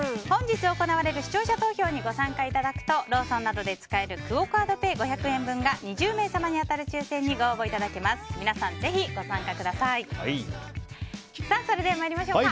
本日行われる視聴者投票にご参加いただくとローソンなどで使えるクオ・カードペイ５００円分が２０名様に当たる抽選にご応募いただけます。